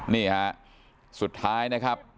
นี่ฮะสุดท้ายนะครับ